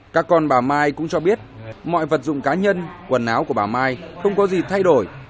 các con bà mai cũng cho biết mọi vật dụng cá nhân quần áo của bà mai không có gì thay đổi